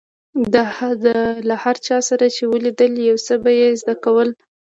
ده له هر چا سره چې ولیدل، يو څه به يې زده کول.